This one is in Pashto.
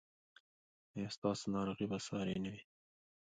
ایا ستاسو ناروغي به ساري نه وي؟